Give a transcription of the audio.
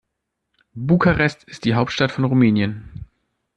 Bukarest ist die Hauptstadt von Rumänien.